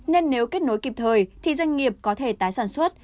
nên nếu kết nối kịp thời thì doanh nghiệp có thể tái sản xuất